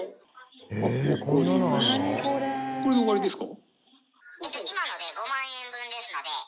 これで終わりですか？